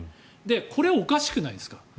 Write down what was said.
これはおかしくないですか？